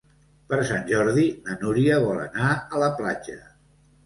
Per Sant Jordi na Núria vol anar a la platja.